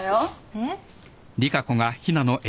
えっ？